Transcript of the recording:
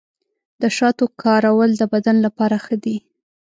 د شاتو کارول د بدن لپاره ښه دي.